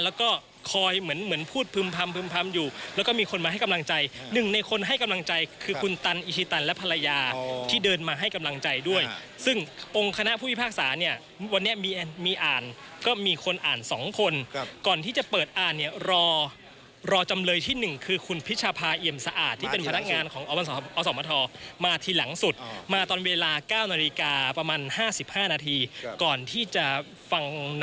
แล้วก็คอยเหมือนเหมือนพูดพึ่มพร้ำพึ่มพร้ำอยู่แล้วก็มีคนมาให้กำลังใจหนึ่งในคนให้กำลังใจคือคุณตันอิชิตันและภรรยาที่เดินมาให้กำลังใจด้วยซึ่งองค์คณะผู้พิพากษาเนี่ยวันนี้มีอ่านก็มีคนอ่านสองคนก่อนที่จะเปิดอ่านเนี่ยรอรอจำเลยที่หนึ่งคือคุณพิชภาเอียมสะอาดที่เป็นพนักงานของอ๋อส